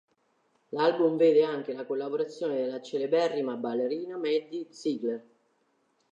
L'album vede anche la collaborazione della celeberrima ballerina Maddie Ziegler.